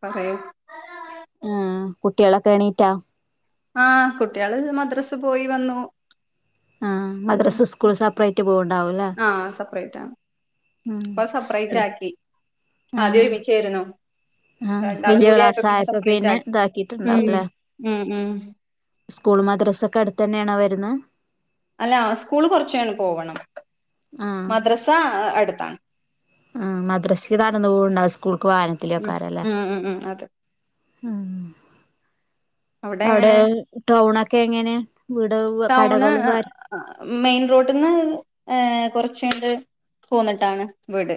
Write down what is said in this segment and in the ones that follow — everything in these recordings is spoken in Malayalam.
പറെയ് ആഹ് കുട്ട്യേളൊക്കെ എണീറ്റാേ ആഹ് കുട്ട്യാള് മദ്രസ് പോയി വന്നു ആഹ് മദ്രസും സ്കൂളും സപ്പ്റേയ്റ്റ് പോവ്ണ്ടാവുലെ ആഹ് സപ്പ്റേയ്റ്റാ ഇപ്പ സപ്പ്റേയ്റ്റാക്കി ആദ്യം ആഹ് ഒര്മിച്ചേര്ന്നു ആഹ് വെല്ല്യ ക്ലാസ്സായപ്പാെ പിന്നെ ആക്കി ഉം താക്കീട്ട്ണ്ടാവുംലേ ഉം ഉം സ്കൂളും മദ്റസൊക്കെ അട്ത്തെന്നേണോ വെര്ന്നേ അല്ലാ സ്കൂള് കൊർച്ചങ്ങണ്ട് പോവണം ആഹ് മദ്രസാ അ അട്ത്താണ് ആഹ് മദ്രസിക്ക് നടന്ന് പോവ്ണ്ടാവും സ്കൂൾക്ക് വാഹനത്തിലു ഉം ഏക്കാരംലേ ഉം ഉം ഉം അതെ ആഹ് അവിടെ അവ്ടേ എങ്ങനെ ടൗണൊക്കെ എങ്ങെനെ വീട് ടൗണ് കടകളും കാ മെയിൻ റോട്ട്ന്ന് കൊർച്ച്ങ്ങട്ട് പോന്ന്ട്ടാണ് വീട്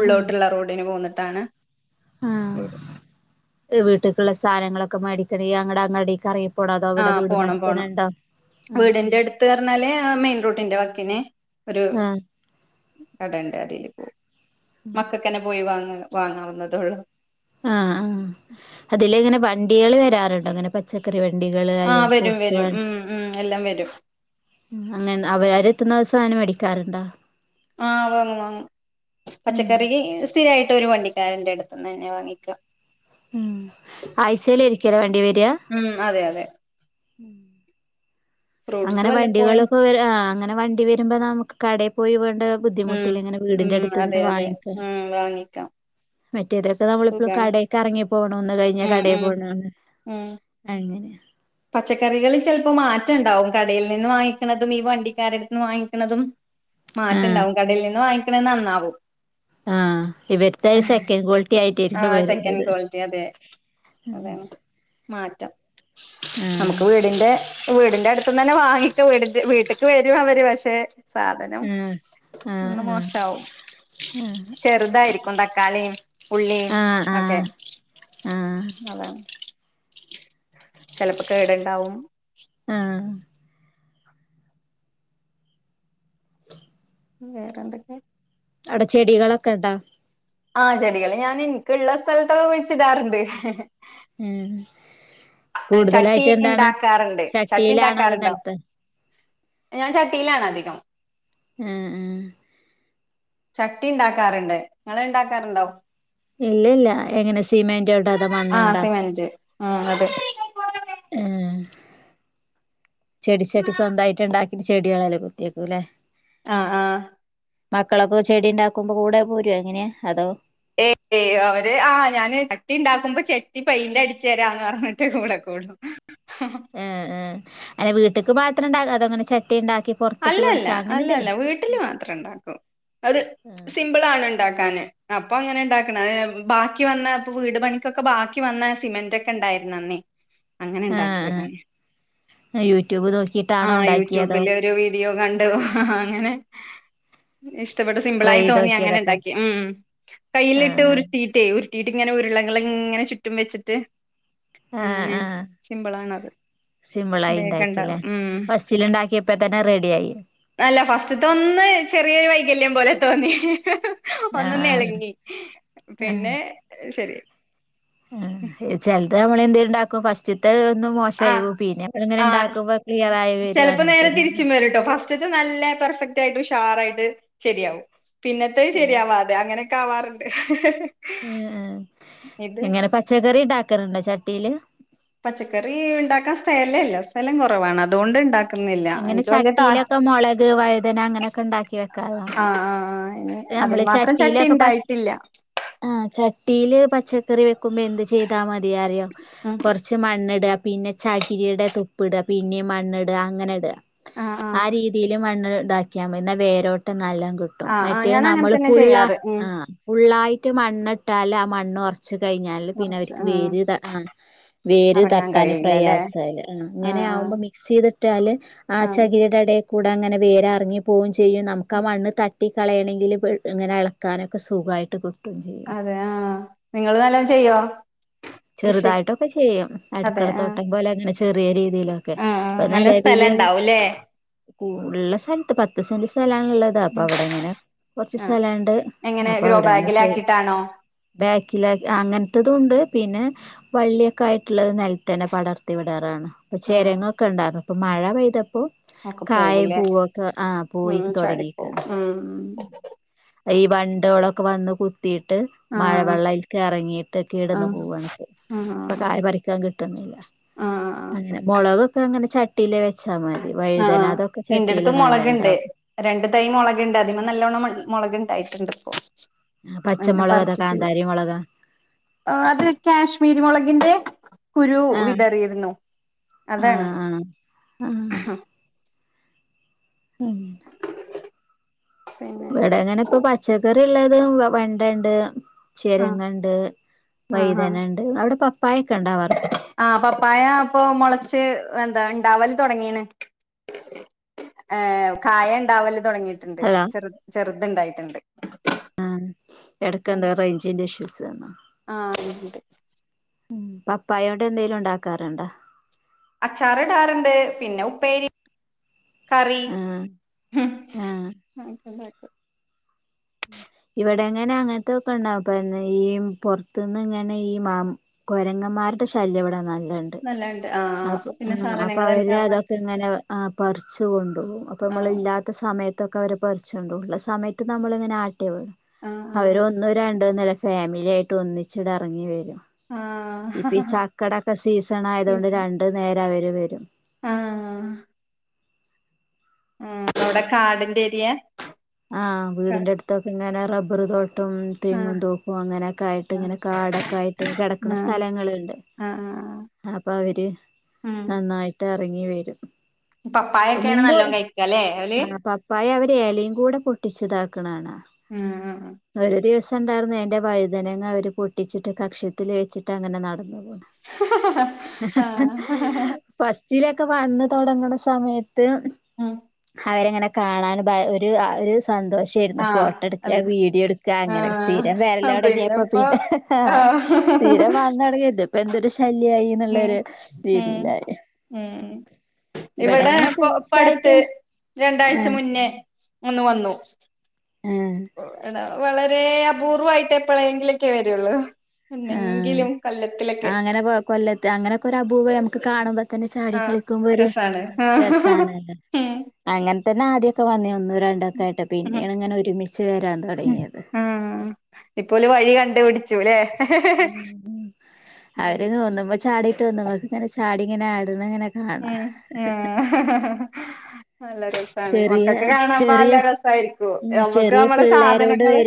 ആഹ് റോഡിന് പോന്ന്ട്ടാണ് വീട് വീട്ട്ക്ക്ള്ള സാനങ്ങളൊക്കെ മേടിക്കണെങ്കി അങ്ങട് അങ്ങാടീക്കെറയും ആഹ് പോണം പോണം ആഹ് വീടിന്റെ എട്ത്ത് പർഞ്ഞാല് മെയിൻ റോട്ടിന്റെ വക്കിന് ഒരു ആഹ് കടണ്ട് അതില് പോവും മക്കക്കന്നെ പോയി വാങ്ങ വാങ്ങാവുന്നതൊള്ളൂ ആഹ് ആഹ് അതിലെ ഇങ്ങനെ വണ്ടികള് വരാറുണ്ടോ ഇങ്ങനെ പ ച്ചക്കറി വണ്ടികള് അല്ലെ ആഹ് വരും ഫ്രൂട്സ് വ വരും ഉം ഉം എല്ലാം വരും അങ്ങനെ അവരാരത്ത്ന്നൊസം അങ്ങനെ മേടിക്കാറ്ണ്ടോ ആ വാങ്ങും വാങ്ങും ഉം പച്ചക്കറിക്കി സ്ഥിരായിട്ട് ഒരു വണ്ടിക്കാരന്റെ അട്ത്ത്ന്നന്നെ വാങ്ങിക്ക ഉം ആഴ്ചേല് ഒരിക്കല വണ്ടി വര ഉം അതെ അതെ ഉം ഫ്രൂട്ട്സ് അങ്ങനെ വല്ലപ്പോഴും വണ്ടികളൊക്കെ വര ആ അങ്ങനെ വണ്ടി വരുമ്പോ നമുക്ക് കടേ പോയി വേണ്ട് ഉം ബുദ്ധിമുട്ടില്ല ഇങ്ങനെ വീട്ന്റെ ഉം അതെ എട്ത്ത്ന്ന് അതെ വാങ്ങിക്കാന് ഉം വാങ്ങിക്കാം മറ്റേ ഇതൊക്കെ നമ്മളിപ്പോ സുഖാണ് കടേക്ക് എർങ്ങി പോണന്ന് കഴിഞ്ഞാ ഉം കടേ ഉം പോണാന്ന് അങ്ങനെ പച്ചക്കറികള് ചെൽപ്പം മാറ്റണ്ടാവും കടേൽ നിന്ന് വാങ്ങിക്ക്ണതും ഈ വണ്ടിക്കാരെട്ത്ത്ന്ന് വാങ്ങിക്ക്ണതും ആഹ് മാറ്റണ്ടാവും കടേൽ നിന്ന് വാങ്ങിക്ക്ണ നന്നാവും ആഹ് ഇവര്ത്തെ സെക്കൻഡ് ക്വാളിറ്റി ആയിട്ടെക്കാരം ആഹ് സെക്കൻഡ് വര്ന്നത് ക്വാളിറ്റി അതെ അതാണ് മാറ്റം നമുക്ക് ആഹ് വീടിന്റെ വീടിന്റെ അട്ത്ത്ന്നന്നെ വാങ്ങിക്ക വീടിന്റെ വീട്ട്ക്ക് വരു അവര് പക്ഷെ സാധനം ആഹ് ഇന്ന് ആഹ് ആഹ് മോശാവും ആഹ് ചെറ്തായിരിക്കും തക്കാളീം ഉള്ളീം ആഹ് ഒക്കെ ആഹ് ആഹ് അതാണ് ചെലപ്പ കേട്ണ്ടാവും ആഹ് വേറെ എന്തക്കെ അവ്ടെ ചെടികളൊക്ക ഇണ്ട ആ ചെടികള് ഞാന് ഇൻക്ക്ള്ള സ്ഥലത്തൊക്കെ കുഴിച്ചിടാറുണ്ട് ഉം ചട്ടി കൂടുതലായിട്ട് എന്താണ് ഇണ്ടാക്കാറ്ണ്ട് ചട്ടി ചട്ടിയിലാണോ അതോ ഇണ്ടാക്കാറുണ്ടോ നിലത്ത് ഞാൻ ചട്ടിയിലാണ് അധികം ഉം ഉം ചട്ടി ഇണ്ടാക്കാറ്ണ്ട് ഇങ്ങള് ഇണ്ടാക്കാറ്ണ്ടോ ഇല്ലല്ല എങ്ങനെ സിമെന്റ് കൊണ്ടോ അതോ ആ മണ്ണോണ്ടോ സിമെന്റ് ആ അതെ ഏഹ് ചെടി ചട്ടി സ്വന്തായിട്ട് ഇണ്ടാക്കി ചെടികളയ്‌ല് കുത്തി വെക്കൂ ലെ ആഹ് ആഹ് മക്കളൊക്ക ചെടി ഇണ്ടാക്കുമ്പ കൂടെ പോരോ എങ്ങനെ അതോ ഏയ് അവര് ആ ഞാന് ചട്ടി ഇണ്ടാക്കുമ്പ ചെട്ടി പെയിന്റടിച്ച് തരാന്ന് പർഞ്ഞിട്ട് കൂടെ കൂടും ഏ ഏ അല്ല വീട്ട്ക്ക് മാത്രംണ്ട അതോ ഇങ്ങനെ ചട്ടി ഇണ്ടാക്കി അല്ല അല്ല അല്ല അല്ല വീട്ടില് മാത്രം ഇണ്ടാക്കൂ അത് സിമ്പിളാണ് ഇണ്ടാക്കാന്. അപ്പങ്ങനെ ഇണ്ടാക്ക്ണ അത് ഞ ബാക്കി വന്ന ഇപ്പ വീട് പണിക്കൊക്കെ ബാക്കി വന്നെ സിമെന്റക്കെ ഇണ്ടായിര്ന്ന് അന്നേ. ആഹ് അങ്ങനെണ്ടാക്കിതാണ് ആഹ് യൂട്യൂബ് നോക്കിട്ടാണോ ആഹ് ഉണ്ടാക്കിയതോ യൂട്യൂബില് ഒരു വീഡിയോ കണ്ട് ഹാ അങ്ങനെ ഇഷ്ടപ്പെട്ട് ട്രൈ സിംമ്പിളായി ചെയ്ത് തോന്നി അങ്ങനെ നോക്കിയതൊക്കെ ണ്ടാക്കി ഉം കയ്യിലിട്ട് ആഹ് ഉര്ട്ടി ട്ട്യേ ഉര്ട്ടീട്ട് ഇങ്ങനെ ഉരുളകള് ങ്ങനെ ചുറ്റും വെച്ച്ട്ട് ആഹ് അങ്ങനെ ആഹ് സിമ്പിൾ ആണത് വേഗണ്ടാവു ഉം ചില്ണ്ടാക്കിപ്പോ തന്നെ റെഡിയായി അല്ല ഫസ്റ്റ്ത്തെഒന്ന് ചെറിയൊരു വൈകല്യം പോലെ തോന്നി ഒന്ന് ആഹ് നെളങ്ങി പിന്നെ ശെരിയായ് ചെൽത് അമ്മളെന്തേണ്ടാക്കും ഫസ്റ്റ്ത്തെ ഒന്ന് മോ ആഹ് ശൈവും പിന്നെ അമ്മള് ങ്ങനെ ആഹ് ണ്ടാക്കുമ്പോ ക്ലിയറായി വെരും അങ്ങനത്തെന്നെ ട്ടോ ഫസ്റ്റ്തെ നല്ല പെർഫെക്റ്റ് ആയിട്ട് ഉഷാർ ആയിട്ട് ശെരിആവും പിന്നതഹ് ആഹ് ശെരിയാവാ അങ്ങനെക്കെ ആവാറ്ണ്ട് ഹ് ഹ് ഹെ ഹ് ങ്ങ്യാ ആ ഇങ്ങനെ പച്ചക്കറി ണ്ടാക്കാറ്ണ്ടോ ചട്ടില് പച്ചക്കറി ഉണ്ടാക്കാ സ്‌തെലല്ല സ്ഥലം കൊറവാണ് അതോണ്ട് ഇണ്ടാ ഇങ്ങനെ ചട്ടിലൊക്കെ മോളക് വഴുതന അങ്ങനോക്കെ ണ്ടാക്കി വെക്കാലോ ആഹ് ആഹ് ഇനി ഞമ്മള് അതിന് മാത്രം ചട്ടി ചട്ടിലൊക്കെ പച്ച ഉണ്ടായിട്ടില്ല ആഹ് ചട്ടില് പച്ചക്കറി വെക്കുമ്പോ എന്ത് ചെയ്താ മതി അറിയോ ഉം കൊറ ച്ച് മണ്ണ്ടാ പിന്നെ ചകിരിയുടെ തുപ്പ് ടാ പിന്നീ മണ്ണ് ടാ അങ്ങനെ ടാ. ആഹ് ആ ആഹ് രീതില് മണ്ണ് താക്കിമയ് ന്ന വേരോട്ടം നല്ലോ കിട് അഹ് ആഹ് ഞാൻ അങ്ങനെ നമ്മള് തന്നെ ഫുള്ള ചെയ്യാറ് ഉം ആ ഫുള്ളായിട്ട് മണ്ണ്ട്ടാല് ആ മണ്ണ്ഒർ ച് കയിഞ്ഞാല് പിന്നെ കൊറച്ച് അവര്ക്ക് ഉം വേര് താ ആ വേര് എറങ്ങാൻ തട്ടാന് കഴിയില്ല പ്രയാസല് ഇങ്ങനെ ആഹ് ആവുമ്പോ മിക്സ് ചെയ്ത്ട്ടാല് ആ ആഹ് ചകിരിടെ ഇടെകൂടെ അങ്ങനെ വേരറ്ങ്ങി പോവും ചെയ്യും നമുക്ക് ആ ആഹ് മണ്ണ് തട്ടി കളയണെങ്കി ഇതില് ഇങ്ങനെ എളക്കാനൊക്കെ സുഖയിട്ട് കിട്ടും ചെയ്യും അതെ ആഹ് നിങ്ങള് നല്ലോ ചെയ്യോ കൃഷി ചെറുതായിട്ടൊക്കെ ചെയ്യും അതെ ആഹ് അടുക്കളത്തോട്ടം പോലെ അങ്ങനെ ചെറിയ രീതിലൊക്കെ ആഹ് ആഹ് ഇപ്പൊ നല്ല സ്ഥലം നെലവില് ഉണ്ടാവൂല്ലേ കൂ ള്ള സ്ഥലത്ത് പത്ത് സെന്റ് സ്ഥലാണ്ള്ളത് അതാ അപ്പൊ ഉം അവടെ ങ്ങനെ കൊറച്ച് ആഹ് സ്ഥലണ്ട് എങ്ങനെ അപ്പ ഗ്രോ അവടങ്ങനെ ചെയ്യും ബാഗിലാക്കിട്ടാണോ ബാക്കില അങ്ങൻത്തതു ണ്ട് പിന്നെ വള്ളിയൊക്കെ ആയിട്ട്ള്ളത് നെൽതന്നെ പടർത്തി വിടാറാണ് പ്പ ആഹ് ചെരങ്ങൊക്കെ ണ്ടാകും ഇപ്പൊ മഴ പെയ്തപ്പോ ഒക്കെ കായും പോവുല്ലേ പൂവൊക്കെ ആഹ് പോയി ഉം ചാടിപ്പോവും തൊടങ്ങിക്ണ് ഉം ഉം ഈ വണ്ടോളൊക്കെ വന്ന് കുത്തിട്ട് ആഹ് മഴവെള്ളഐൽക്ക് എറങ്ങിട്ട് കേട്ന്നു ആഹ് ആഹ് ഇപ്പൊ കായി പറിക്കാൻ കിട്ടുന്നില്ല അങ്ങനെ ആഹ് മോളകോക്കെ അങ്ങനെ ചട്ടീല് വെച്ചാ മതി വഴുതന അതൊക്കെ ചട്ടീല് നല്ല ണ്ടാവു രണ്ടു തൈ മോളക്ണ്ട് അതിമ നല്ലോണ്ണം മൊളക് ണ്ടായിട്ട്ണ്ട് ഇപ്പോ ആ പച്ചമൊളക അതാ കാന്താരി മൊളക ആഹ് അത് കേശ്മീരി മൊളകിന്റെ കുരു ആഹ് വിതറിയിരുന്നു അതാണ് ഉം ഹ ഉം പിൻ ഇവടെങ്ങനെ ഇങ്ങനെ പ്പ പച്ചക്കറി അല്ലാതെ വെണ്ടണ്ട് ആഹ് ചെരങ്ങ ണ്ട് ആഹ് വഴുതന ണ്ട് അവ്ടെ പപ്പായൊക്കെ ണ്ടാവാറ് ആഹ് പപ്പായ പ്പൊ മൊളച്ച് എന്താ ണ്ടാവല് തുടങ്ങീണ്‌. ഏഹ് കായ ണ്ടാവല്. തുടങ്ങിയിട്ടുണ്ട് ഹലോ ചെറു ചെറുതുണ്ടായിട്ടുണ്ട്. ഉം. എടക്കെന്തോ റേഞ്ചിന്റെ ഇഷ്യൂസ് വന്നോ ആഹ് ഉണ്ട് ഉം പപ്പായകൊണ്ട് എന്തേലും ഉണ്ടാക്കാറുണ്ടോ? അച്ചാറിടാറുണ്ട് പിന്നെ ഉപ്പേരി കറി ആഹ് ഹും ആഹ് അങ്ങനൊക്കെ ഉണ്ടാക്കും. ഇവിടെ അങ്ങനെ അങ്ങനത്തൊക്കെ ഉണ്ടാവും പ്പൊ എന്ന ഈ പൊറത്തുന്ന് ഇങ്ങനെ ഈ മാം കൊരങ്ങന്മാരുടെ ശല്യം ഇവിടെ നല്ലൺണ്ട് നല്ലണ്ട് ആഹ് അപ് അപ്പൊ അ പിന്നെ അപ്പൊ സാധനങ്ങൾ അവര് ഉണ്ടാവാൻ അതൊക്കെ ഇങ്ങനെ അഹ് പറിച്ചു കൊണ്ടുപോകും അപ്പൊ നമ്മൾ ആഹ് ഇല്ലാ സമയത്തൊക്കെ അവര് പറിച്ചോണ്ടു പോകു ള്ള സമയത്ത് നമ്മളിങ്ങനെ ആട്ടി വിടും അവര് ആഹ് വന്ന് രണ് ണ്ടു മൂന്നല്ല ഫാമിലി ആയിട്ട് ഒന്നിച്ചിട് ഇറങ്ങി വരും ഇപ്പ ഈ ആഹ് ചക്കേടൊക്കെ സീസൺ ആയതൊണ്ട് രണ്ടു നേരം അവര് വരും ആഹ് ആഹ് അവിടെ കാടിന്റെ ഏരിയാ? ആഹ് വീടിന്റെ അടുത്തൊക്കെ ഇങ്ങനെ റബ്ബർ തോട്ടം തെങ്ങു തോപ്പും അങ്ങനെയൊക്കെ ആയിട്ട് ആഹ് ഇങ്ങനെ കാടൊക്കെ ആയിട്ട് കിടക്കുന്ന ആഹ് സ്ഥലങ്ങളുണ്ട്. ആഹ് അപ്പൊ അവര് നന്നായിട്ട് എറങ്ങി വരും. പപ്പായൊക്കെയാണ് നല്ലോണം കഴിക്കുകല്ലേ ഓല്? പപായ അവര് എലയും കൂടെ പൊട്ടിച്ചിതാക്കണ കാണാം ആഹ് ഒരു ദിവസം ഉണ്ടായിരുന്നു എന്റെ വഴുതനങ്ങ അവര് പൊട്ടിച്ചിട്ട് കക്ഷത്തിൽ വെച്ചിട്ട് അങ്ങനെ നടന്നു പോണു. ആ ഫസ്റ്റിലൊക്കെ വന്ന് തുടങ്ങണ സമയത്ത് ഉം അവരങ്ങനെ കാണാൻ ഭയ ഒര് ര് ആ ഒര് സ് സന്തോഷമായിരുന്നു ആഹ് ഫോട്ടോ എടുക്കുക അല്ല വീഡിയോ എടുക്കുക അങ്ങനെ സ്ഥിരം വരല് ആഹ് തൊടങ്ങിയപ്പോ പിന്നെപ്പോ പിന്നെ ആ ആഹ് സ്ഥിരം വന്ന് തൊടങ്ങി ഇത് ഇപ്പൊ എന്തൊരു ശല്യമായി ഉം ഉം ഉം ഇവിടെ അങ്ങനെ ഇപ്പൊ ഫ്രൂട്ട്സ് ഇപ്പടുത്ത് ആയിട്ട് രണ്ടാഴ്ച ആഹ് മുന്നേ ഒന്ന് വന്നു ആഹ് [unintelligible] വളരെ അപൂർവായിട്ട് എപ്പോഴെങ്കിലൊക്കെ വരുള്ളൂ ആഹ് എന്നെങ്കിലും കൊല്ലത്തിലൊക്കെ. അങ്ങനെ കൊല്ലത്ത് അങ്ങനെയൊക്കെ ഒരു അപൂർവായി നമുക്ക് കാണുമ്പോ തന്നെ ചാടി ആഹ് കളിക്കുമ്പോ ഒര് രസാണ് രസാണല്ലോ ഉം അങ്ങനെ തന്നെ ആദ്യമൊക്കെ വന്ന് ഒന്നൂ രണ്ടൊക്കെ ആയിട്ട് ഉം പിന്നെയാണ് ഇങ്ങനെ ഒരുമിച്ച് വരാൻ തുടങ്ങിയത്. ആഹ് ഇപ്പോല് വഴി കണ്ടുപിടിച്ചു ല്ലെ? ഉം അവര് തോന്നുമ്പം ചാടീട്ട് വന്നു വന്നിങ്ങനെ ചാടി ഇങ്ങനെ ആടുന്നങ്ങനെ ഏഹ് നല്ല രസ് സാണ്. ചെറിയ മക്കൾക്ക് കാണാൻ പ ചെറിയ നല്ല രസമായിരിക്കും. നമ്മക്ക് നമ്മളെ സാധനങ്ങള്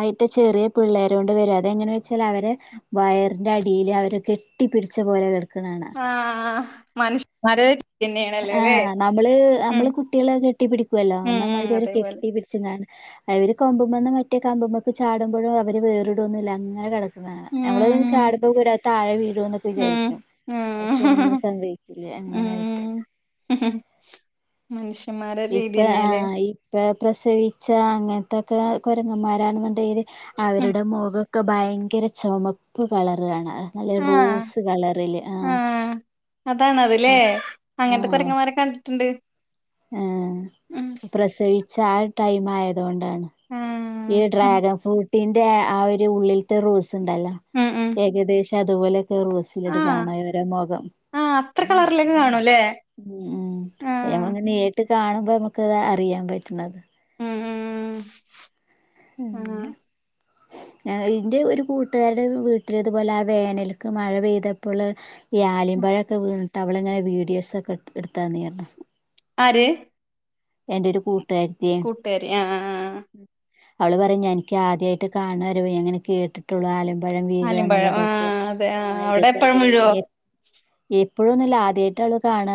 അയിറ്റെ ചെറിയ പിള്ളേരോണ്ട് വരും അതെങ്ങനെ വെച്ചാൽ അവര് വയറിന്റെ അടിയില് അവര് കെട്ടി പിടിച്ച പോലെ കെട് ക്ക്ന്ന കാണാം. ആഹ് മനുഷ്യന്മാരെ തന്നെയാണല്ലോല്ലേ ആഹ് നമ്മള് ഉം നമ്മള് കു ട്ടികളെ കെട്ടി പിടിക്കുവല്ലോ ഉം ഉം എന്നാമാതിരി അവര് അതേപോലെ കെട്ടി പിടി ച്ച് കാന്ന് അവര് കൊമ്പുമ്മന്ന് മറ്റേ കമ്പുമൊക്കെ ചാടുമ്പോഴും അവര് വേറിടോന്നുമില്ല അങ്ങനെ കിട ക്കുന്നത് കാണാം. ഞമ്മളത് ഉം കാണുമ്പ വടെ താഴെ വീഴൂന്ന് ഉം വിചാരിക്കും. പക്ഷെ ഒന്നും ഉം സംഭവിക്കൂല്ല. അങ്ങനെ ആയിട്ട് മ് മ് മനുഷ്യന്മാരുടെ രീതി തന്നെയല്ലേ ഇപ്പം പ്രസവിച്ച അങ്ങനത്തൊക്കെ കുരങ്ങന്മാരാണെന്നുണ്ടെങ്കില് ഉം അവരുടെ മുഖം ഒക്കെ ഭയങ്കര ചൊമപ്പ് കളറാണ് നല്ല ആഹ് റോസ് കളറില് ആഹ ആഹ് അതാണ് അതല്ലേ അങ്ങനത്തെ കുരങ്ങന്മാരെ കണ്ടിട്ടുണ്ട് ആഹ ഉം പ്രസവിച്ച ആ ടൈമായതു കൊണ്ടാണ് മ് ഈ ഡ്രാഗൺ ഫ്രൂട്ടിന്റെ ആ ഒരു ഉള്ളില്ത്തെ റോസുണ്ടല്ലോ ഉം ഉം ഏകദേശം അതുപോലെയൊക്കെ റോസ് ഉണ്ട് ആഹ് കാണാൻ ഇവരുടെ മുഖം ആഹ് അത്ര കളറിലൊക്കെ കാണൂല്ലേ ഉം ഉം ആഹ് നമ്മളിങ്ങനെ നേരിട്ട് കാണുമ്പോ നമ്മുക്ക് അറിയാൻ പറ്റണ് മ് മ് മ്മ് [inaudible] [inaudible] ഇന്റെ ഒരു കൂട്ടുകാരുടെ വീട്ടില ഇതുപോലെ ആ വേനൽക്ക് മഴ പെയ്തപ്പോള്. ഈ ആലിമ്പഴം ഒക്കെ വീണിട്ട് അവളങ്ങനെ വീഡിയോസൊക്കെ എടുത്തതന്നിരുന്നു. ആര് എന്റെ ഒരു കൂട്ടുകാരി കൂട്ടുകാരി ആഹ ആഹാഹാ അവള് പറഞ് എനിക്ക് ആദ്യയിട്ട് കണ്ണാണ് ഞാൻ അങ്ങനെ കേട്ടിട്ട് ട്ടുള്ളു. ആലിപഴം ആലിമ്പഴം വീഴന്നുള്ളതൊക്കെ ആഹ് അതെ ആ ആഹ് അവിടെ ഇതിപ്പോ എപ്പഴും ഇങ്ങനെ. വീഴോ എപ്പോഴന്നുല്ല ആദ്യായിട്ട് അവള് കാണാ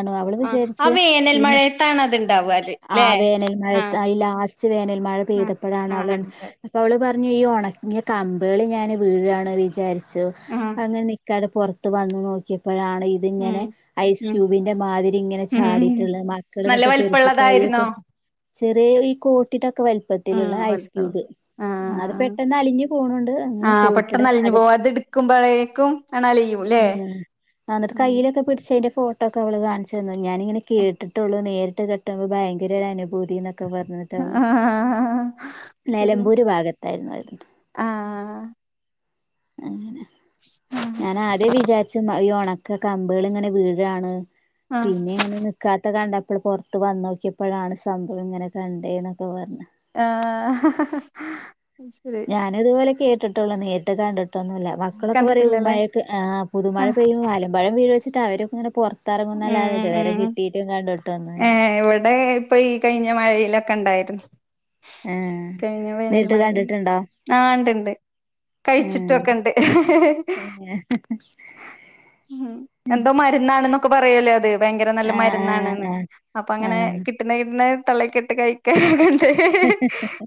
ആഹ ആ വേനൽ മഴയത്താണ് അത്ണ്ടാവൽ ആഹ വേനൽ മഴയത് ഈ ലാസ്റ്റ് വേനൽ മഴ ആഹ് പെയ്തപ്പോഴാാണ് ആഹ് അവ ഇണ്ട് അപ്പ അവള് പറഞ്ഞു ഈ ഉണങ്ങിയ കമ്പേള് ഞാന് വീഴാണ് വിചാരിച്ചു. ച്ചു, ആഹ് അങ്ങനെ നിക്കാർന്നു പുറത്ത് വന്നു നോക്കിയപ്പോഴാണ്. ഉം ഇതിങ്ങനെ ഉം ഐസ്ക്യൂബിന്റെ മാതിരി ഇങ്ങനെ ഉം ചാടിയിട്ടുള്ളത് മക്കൾ നല്ല എന്നിട്ട് പെറുക്കി താ വലിപ്പള്ളതായിരുന്നോ ചെറിയ ഈ കോട്ടിടോക്കെ പോലെ ഉം ലിപ്പത്തിലുള്ള വലുപ്പള്ളത് ഐസ്ക്യൂബ് അത് ആഹ് പെട്ടെന്ന് അലിഞ്ഞു പോണൂണ്ട് ങ്ങനെ കോട്ടി ടെ മായിര ക്കുപഴേക്കും ങ്ങട് അലിയൂലെ. ആഹ ന്നിട്ട് കയ്യിലൊക്കെ പിടിച് അയിന്റെ ഫോട്ടോക്കെ അവള് കാണിച്ചു തന്നു ഞാനിങ്ങനെ കേട്ടിട്ടുള്ളു നേരിട്ട്. ട്ട് ഭയങ്കര ഒരു അനുഭൂതി എന്നൊക്കെ പറഞ്ഞിട്ടവള്. ആഹ് നിലമ്പൂര് ഭാഗത്ത് തായിരുന്നു അത് ആഹആാാാ അങ്ങനെ ഞാൻ ആദ്യം വിചാരിച്ച് ഈ ഒന്ന ക്ക കമ്പുകൾ ഇങ്ങനെ വീഴാണ് ആഹ് പിന്നെ ഇങ്ങനെ നിക്കാത്ത കണ്ടപ്പോ പുറ ത്ത് വന് നോക്കിയപ്പോഴാണ് സംഭവം ഇങ്ങനെ കണ്ടേ ന്നക്കെ പറഞ്ഞു ആ ഹ ഹ ഞാനിത് പോലെ കേട്ടിട്ടുള്ളൂ നേരിട്ട് കണ്ടിട്ടൊന്നല്ല. മക്കളൊക്കെ പറയും കണ്ടിട്ടില്ലല്ലേ മഴൊക്കെ ആഹ പുതുമഴ ആഹ് പെയ്യും ആലിപഴം വീഴോച്ചിട്ട് അവരൊക്കെ. ത്തറങ്ങും ന്നല്ലാതെ ഇത് ഉം വരെ ഉം കിട്ടീയിട്ടും ഏ കണ്ടിട്ടോന്നുല്ല. ഇവിടെ ഇപ്പൊ ഈ കഴിഞ്ഞ മഴയിലൊക്കെ ഉണ്ടായിരുന്നു. ഏഹ് കഴിഞ്ഞ വേനൽ നേരിട്ട് മഴെൽ കണ്ടിട്ടുണ്ടോ ആഹ ണ്ട്ണ്ട് ഏഹ് കഴിച്ചിട്ടൊക്കെ ഇണ്ട്. ഏഹ് ഉം എന്തോ മരുന്നാണെന്നൊക്കെ പറയോല്ലോ അത് ഭയങ്കര നല്ല ആഹ് മരുന്നാണ്ന്ന് ആഹ് അപ്പൊ അങ്ങനെ. ആഹ് [unintelligible] ട്ട് കഴിക്കാൻ കണ്ട്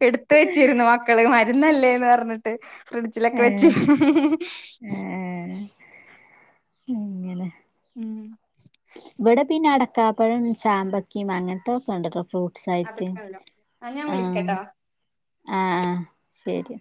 എടുത് വെച്ചിരുന്നു. ക്കള് മരുന്നല്ലേന്ന് പർഞ്ഞ്ട്ട് ഫ്രിഡ്ജിലൊക്കെ വെച്ച് ഏഹ് ഏഹ് അങ്ങനെ ഉം ഇവടെ പിന്നെ അടക്കാപ്പഴം ചാമ്പക്കിയിം അങ്ങൻത്തത്തൊക്കെ ഇണ്ട്ട്ടോ ഫ്രൂ സായിറ്റ് അതൊക്കെല്ലോ ആ ഞാൻ ആഹ് വിളിക്കട്ടോ ആഹ് ആഹ് സെര്യാ